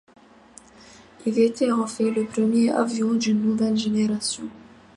Il était en fait le premier avion d'une nouvelle génération.